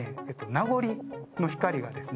名残の光がですね